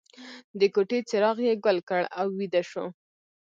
د کوټې څراغ یې ګل کړ او ویده شو